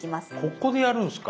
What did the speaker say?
ここでやるんすか。